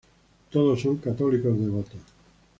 Todos son católicos devotos.